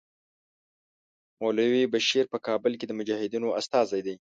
مولوي بشیر په کابل کې د مجاهدینو استازی دی.